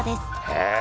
へえ